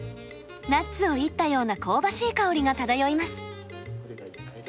ナッツをいったような香ばしい香りが漂います。